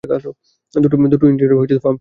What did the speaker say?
দুটো ইঞ্জিনেরই pump fail করেছে!